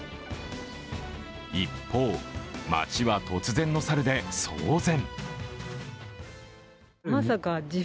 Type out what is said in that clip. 一方、街は突然の猿で騒然。